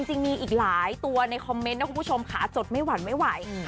จริงมีอีกหลายตัวในคอมเมนต์นะคุณผู้ชมขาจดไม่หวั่นไม่ไหว